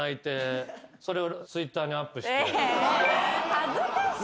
恥ずかしいよ。